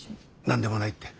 何でもないって。